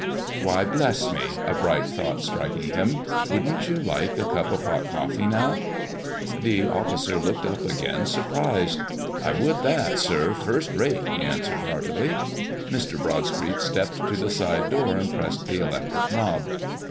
"Why, bless me," a bright thought striking him, "wouldn't you like a cup of hot coffee, now?" The officer looked up again, surprised. "I would that, sir, first rate," he answered heartily. Mr. Broadstreet stepped to the side door and pressed the electric knob.